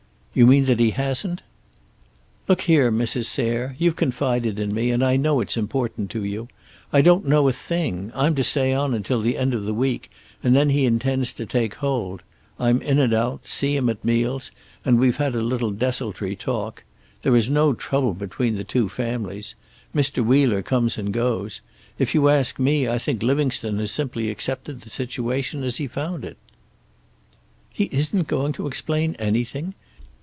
"You mean that he hasn't?" "Look here, Mrs. Sayre. You've confided in me, and I know it's important to you. I don't know a thing. I'm to stay on until the end of the week, and then he intends to take hold. I'm in and out, see him at meals, and we've had a little desultory talk. There is no trouble between the two families. Mr. Wheeler comes and goes. If you ask me, I think Livingstone has simply accepted the situation as he found it." "He isn't going to explain anything?